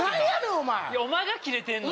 お前がキレてんの？